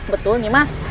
betul nih mas